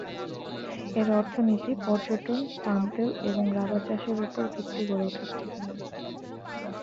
এর অর্থনীতি পর্যটন, পাম তেল এবং রাবার চাষের উপর ভিত্তি গড়ে উঠেছে।